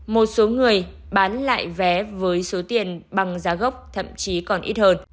một số người bán lại vé với số tiền bằng giá gốc thậm chí còn ít hơn